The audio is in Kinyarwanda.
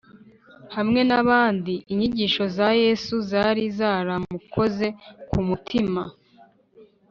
. Hamwe n’abandi, inyigisho za Yesu zari zaramukoze ku mutima